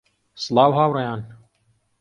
سڵاو هاوڕێیان